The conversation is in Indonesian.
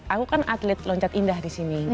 aku kan atlet loncat indah disini